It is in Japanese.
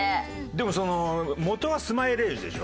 でも元はスマイレージでしょ？